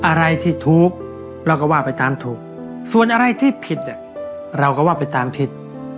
อะไรที่ถูกเราก็ว่าไปตามถูกส่วนอะไรที่ผิดเราก็ว่าไปตามผิด